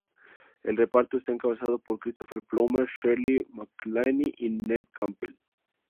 El reparto está encabezado por Christopher Plummer, Shirley MacLaine y Neve Campbell.